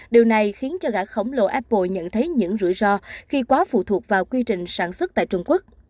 điều này khiến cho gã khổng lồ apple nhận thấy những rủi ro khi quá phụ thuộc vào quy trình sản xuất tại trung quốc